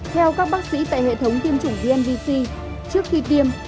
theo các bác sĩ tại hệ thống tiêm chủng vnvc trước khi tiêm